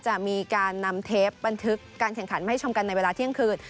จะมีการนำเทปบันทึกการแข่งขันมาให้ชมกันในเวลาเที่ยงคืน